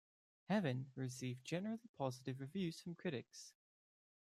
"Heaven" received generally positive reviews from critics.